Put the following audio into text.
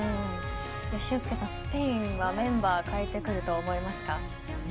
俊輔さん、スペインはメンバー代えてくると思いますか。